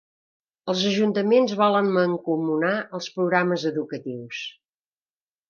Els ajuntaments volen mancomunar els programes educatius.